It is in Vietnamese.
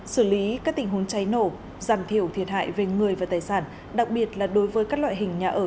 xử lý các tình huống cháy nổ giảm thiểu thiệt hại về người và tài sản đặc biệt là đối với các loại hình nhà ở